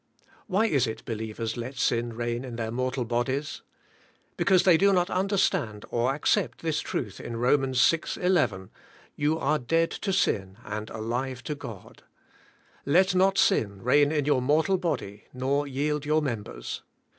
Why is it believers let sin reign in their mortal bod ies ? Because they do not understand or accept this truth in Rom. 6: 11: ^^2^ou are dead to sin and alive to God, Let not sin reign in your mortal body. Nor yield your members."